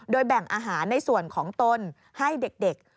แบ่งอาหารในส่วนของตนให้เด็ก